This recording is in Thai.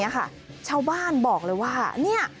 เป็นการกำลังประทับร่างทรงของเจ้าพ่อเสือเลยนะ